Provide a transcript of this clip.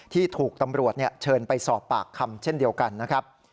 ที่ถูกตำรวจเชิญไปสอบปากคำเช่นเดียวกันนะครับ